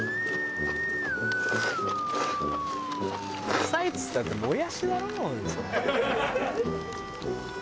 「野菜っつったってもやしだろ？」